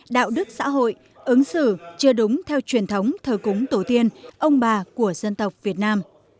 đạo đức xã hội ứng xử chưa đúng theo truyền thống thờ cúng tổ tiên ông bà của dân tộc việt nam